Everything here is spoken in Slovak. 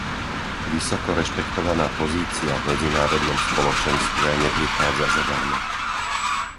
Vysoko rešpektovaná pozícia v medzinárodnom spoločenstve neprichádza zadarmo.